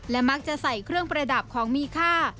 มักจะใส่เครื่องประดับของมีค่า